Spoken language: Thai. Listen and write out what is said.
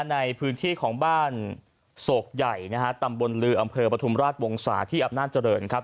ในพื้นที่ของบ้านโศกใหญ่นะฮะตำบลลืออำเภอปฐุมราชวงศาที่อำนาจเจริญครับ